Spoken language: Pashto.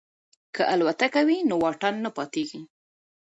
که الوتکه وي نو واټن نه پاتیږي.